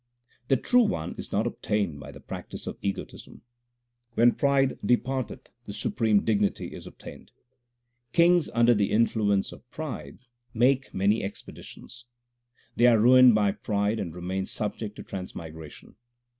The True One is not obtained by the practice of egotism. When pride depart eth, the supreme dignity is obtained. Kings under the influence of pride make many expedi tions : They are ruined by pride and remain subject to trans migration.